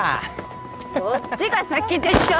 そっちが先でしょ！